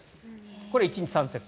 これ、１日３セット。